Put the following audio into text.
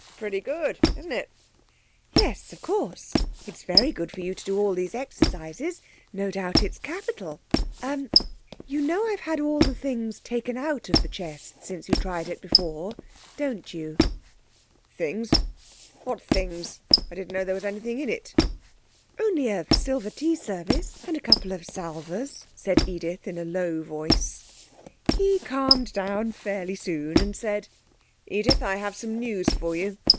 Pretty good, isn't it?' 'Yes, of course it's very good for you to do all these exercises; no doubt it's capital.... Er you know I've had all the things taken out of the chest since you tried it before, don't you?' 'Things what things? I didn't know there was anything in it.' 'Only a silver tea service, and a couple of salvers,' said Edith, in a low voice.... ...He calmed down fairly soon and said: 'Edith, I have some news for you.